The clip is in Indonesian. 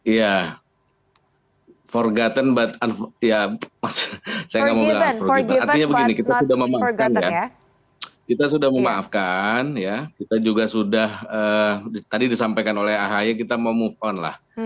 ya forgotten but unforgiven artinya begini kita sudah memaafkan kita juga sudah tadi disampaikan oleh ahaye kita mau move on lah